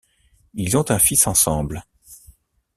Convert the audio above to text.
Ils ont un fils ensemble.